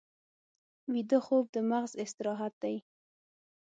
ویده خوب د مغز استراحت دی